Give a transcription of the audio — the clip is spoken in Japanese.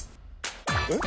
えっ？